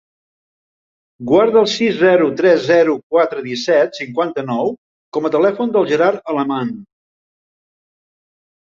Guarda el sis, zero, tres, zero, quatre, disset, cinquanta-nou com a telèfon del Gerard Aleman.